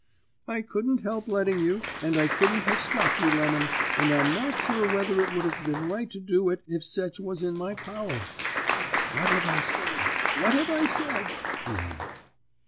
"'I couldn't help letting you, and I couldn't have stopped you, Lemon, and I'm not sure whether it would have been right to do it if sech was in my power.' "'What have I said, what have I said?' he asked.